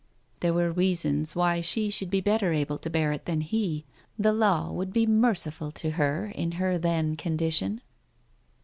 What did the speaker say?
There were reasons why she should be better able to bear it than he, the law would be merci ful to her in her then condition.